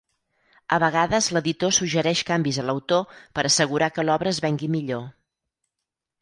A vegades l'editor suggereix canvis a l'autor per assegurar que l'obra es vengui millor.